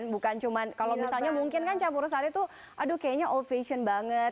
bukan cuma kalau misalnya mungkin kan campur sari tuh aduh kayaknya all fashion banget